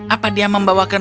apa dia membawakan perhatian